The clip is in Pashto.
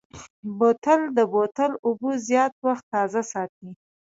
بوتل د بوتل اوبه زیات وخت تازه ساتي.